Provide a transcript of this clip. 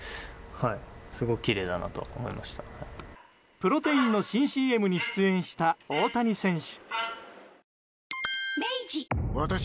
プロテインの新ＣＭに出演した大谷選手。